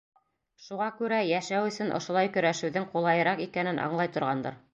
Шуға күрә йәшәү өсөн ошолай көрәшеүҙең ҡулайыраҡ икәнен аңлай торғандыр.